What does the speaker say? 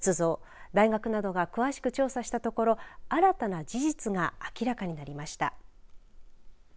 大学などが詳しく調査したところ新たな事実が明らかになりました。